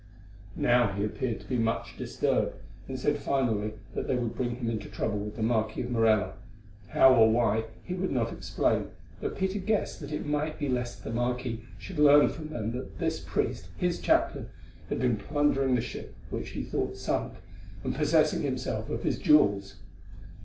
Now he appeared to be much disturbed, and said finally that they would bring him into trouble with the Marquis of Morella—how or why, he would not explain, though Peter guessed that it might be lest the marquis should learn from them that this priest, his chaplain, had been plundering the ship which he thought sunk, and possessing himself of his jewels.